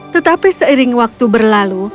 tetapi seiring waktu berlalu